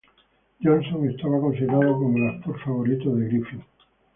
Johnson estaba considerado como el actor favorito de Griffith.